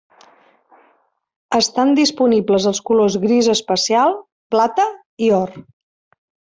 Estan disponibles els colors gris espacial, plata i or.